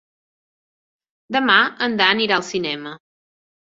Demà en Dan irà al cinema.